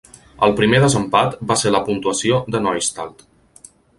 El primer desempat va ser la puntuació de Neustadtl.